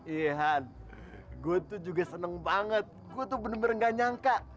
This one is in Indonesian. iya han gua tuh juga seneng banget gua tuh bener bener gak nyangka